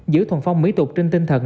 giữ thuần phong mỹ tục trên tinh thần